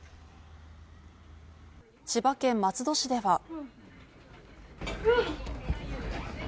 千葉県松戸市では。